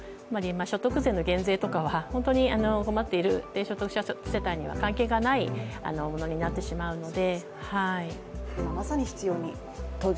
所得税の減税なんかは本当に困っている低所得者層には関係のないものになってしまいますので。